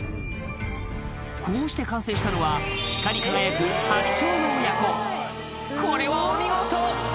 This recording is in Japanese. こうして完成したのは光り輝くこれはお見事！